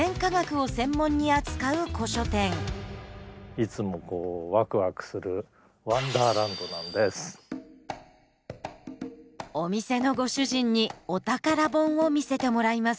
いつもこうワクワクするお店のご主人にお宝本を見せてもらいます。